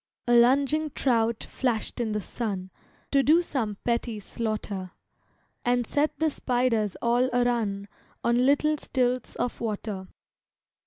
A lunging trout flashed in the sun, To do some petty slaughter, And set the spiders all a run On little stilts of water.